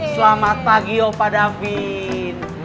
selamat pagi opa davin